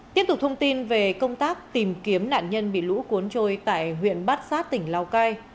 tiếp tục thông tin về công tác tìm kiếm nạn nhân bị lũ cuốn trôi tại huyện bát sát tỉnh lào cai